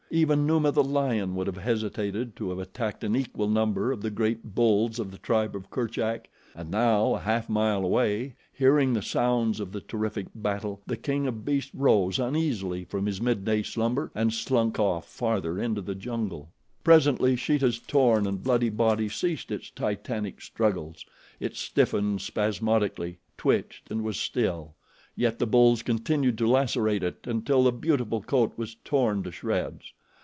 Even Numa, the lion, would have hesitated to have attacked an equal number of the great bulls of the tribe of Kerchak, and now, a half mile away, hearing the sounds of the terrific battle, the king of beasts rose uneasily from his midday slumber and slunk off farther into the jungle. Presently Sheeta's torn and bloody body ceased its titanic struggles. It stiffened spasmodically, twitched and was still, yet the bulls continued to lacerate it until the beautiful coat was torn to shreds.